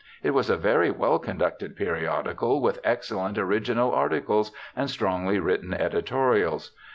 It was a very well conducted periodical, with excellent original articles and strongly written editorials.